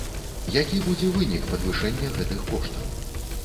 Які будзе вынік падвышэння гэтых коштаў?